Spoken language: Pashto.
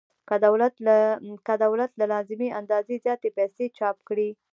که دولت له لازمې اندازې زیاتې پیسې چاپ کړي